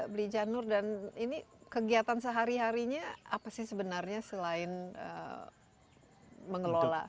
beli janur dan ini kegiatan sehari harinya apa sih sebenarnya selain mengelola